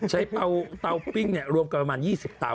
ใช้เตาปริ้งเนี่ยรวมกับประมาณ๒๐เตา